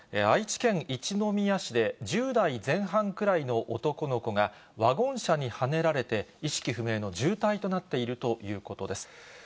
愛知県一宮市で１０代前半くらいの男の子が、ワゴン車にはねられて、意識不明の重体となっているということです。